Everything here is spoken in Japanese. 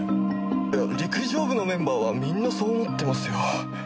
いや陸上部のメンバーはみんなそう思ってますよ。